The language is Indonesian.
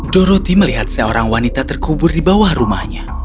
doroti melihat seorang wanita terkubur di bawah rumahnya